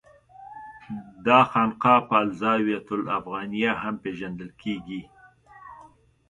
دا خانقاه په الزاویة الافغانیه هم پېژندل کېږي.